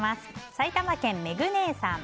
埼玉県の方。